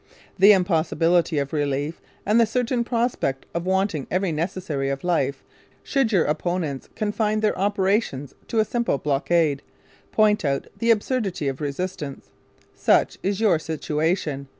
The impossibility of relief, and the certain prospect of wanting every necessary of life, should your opponents confine their operations to a simple Blockade, point out the absurdity of resistance. Such is your situation!